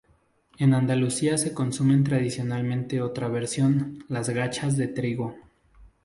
En Andalucía se consumen tradicionalmente otra versión, las gachas de trigo.